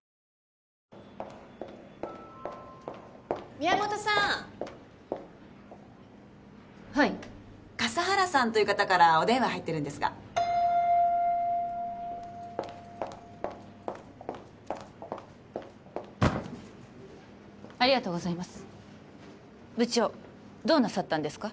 宮本さんはい笠原さんという方からお電話入ってるんですがありがとうございます部長どうなさったんですか？